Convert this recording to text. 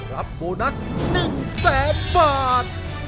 โบนัส๑แสนบาท